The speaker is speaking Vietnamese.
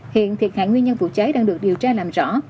hiện thiệt hại nguyên nhân vụ cháy đang được điều tra làm rõ